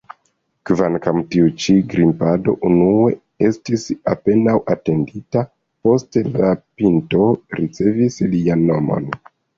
Kvankam tiu-ĉi grimpado unue estis apenaŭ atendita, poste la pinto ricevis lian nomon.